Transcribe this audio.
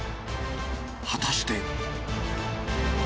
果たして。